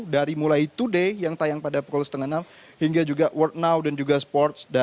dari mulai today yang tayang pada pukul setengah enam hingga juga world now dan juga sports